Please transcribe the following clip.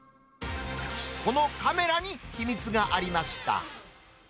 このカメラに秘密がありました。